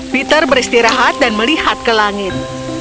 peter beristirahat dan melihat ke langit